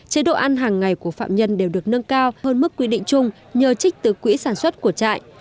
chế độ ăn hàng ngày của phạm nhân đều được nâng cao hơn mức quy định chung nhờ trích từ quỹ sản xuất của trại